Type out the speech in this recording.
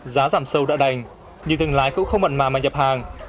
giá giảm sâu đã đành nhưng từng lái cũng không mẩn mà mà nhập hàng